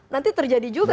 nanti terjadi juga